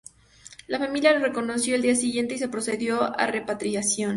La familia lo reconoció el día siguiente y se procedió a su repatriación.